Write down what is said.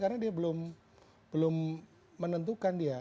karena dia belum menentukan dia